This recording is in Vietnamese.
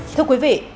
thưa quý vị